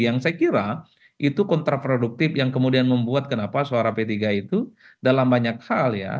yang saya kira itu kontraproduktif yang kemudian membuat kenapa suara p tiga itu dalam banyak hal ya